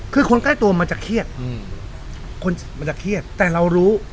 คือคนใกล้ตัวมันจะเครียดคนมันจะเครียดแต่เรารู้